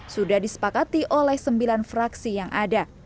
sudah disepakati oleh sembilan fraksi yang ada